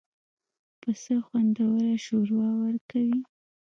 پسه خوندور شوروا ورکوي.